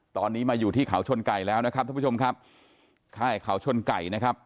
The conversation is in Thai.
ตอนนี้มาอยู่ที่เขาชนไก่แล้วนะครับท่านผู้ชมครับค่ายเขาชนไก่นะครับ